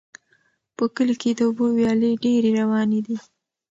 په کلي کې د اوبو ویالې ډېرې روانې دي.